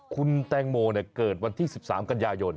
คุณแตงโมเกิดวันที่๑๓กันยายน